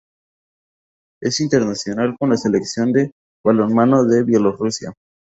Es internacional con la selección de balonmano de Bielorrusia.